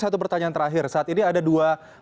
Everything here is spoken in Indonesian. satu pertanyaan terakhir saat ini ada dua